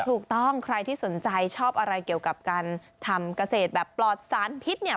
ถูกต้องใครที่สนใจชอบอะไรเกี่ยวกับการทำเกษตรแบบปลอดสารพิษเนี่ย